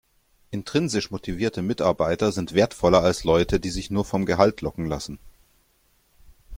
Intrinsisch motivierte Mitarbeiter sind wertvoller als Leute, die sich nur vom Gehalt locken lassen.